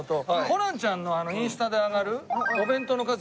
ホランちゃんのインスタで上がるお弁当の数々。